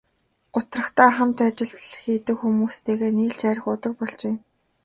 Гутрахдаа хамт ажил хийдэг хүмүүстэйгээ нийлж архи уудаг болжээ.